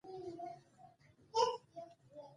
شخصيتي ترور د ځان حق بولي.